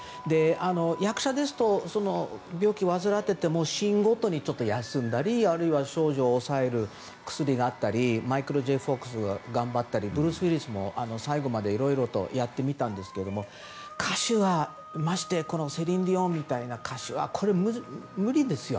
役者ですと、病気を患っていてもシーンごとに休んだりあるいは症状を抑える薬があったりマイケル・Ｊ・フォックスは頑張ったりブルース・ウィリスも最後までやっていたりしましたが歌手、ましてやセリーヌ・ディオンみたいな歌手は無理ですよ。